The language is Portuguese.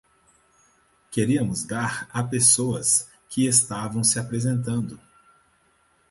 Queríamos dar a pessoas que estavam se apresentando.